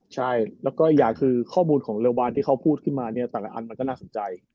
ใช่แล้วก็อย่างคือข้อบูธของรีวารที่เขาพูดมาเนี่ยต่างอันมันก็น่าสนใจ